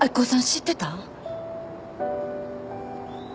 知ってたん？